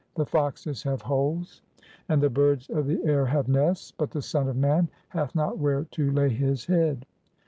* The foxes have holes^ and the birds of the air have nests ; but the Son of man hath not where to lay his head!